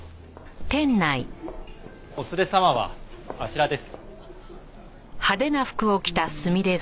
お連れ様はあちらです。